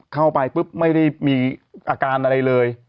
เข้าไปปุ๊บไม่ได้มีอาการอะไรเลย